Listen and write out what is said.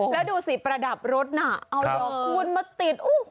แล้วดูสิประดับรถน่ะเอาเจ้าคุณมาติด